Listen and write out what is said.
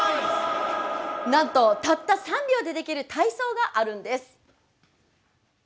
なんとたった３秒でできる体操があるんです。